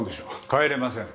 帰れません。